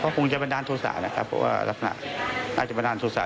เขาคงจะเป็นด้านทุกษานะครับเพราะว่ารักษณะน่าจะเป็นด้านทุกษา